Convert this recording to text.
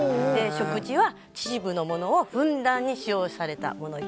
「食事は秩父のものをふんだんに使用されたものを頂きました」